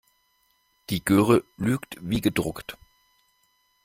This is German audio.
Die Göre lügt wie gedruckt.